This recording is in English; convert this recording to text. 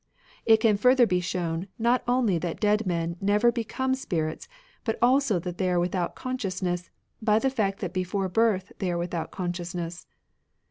... It can further be shown not only that dead men never become spirits, but also that they are without conscious ness, by the fact that before birth they are without consciousness.